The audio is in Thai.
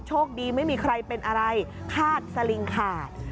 โชคดีไม่มีใครเป็นอะไรคาดสลิงขาด